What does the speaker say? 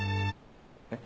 えっ？